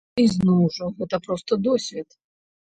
І зноў жа гэта проста досвед.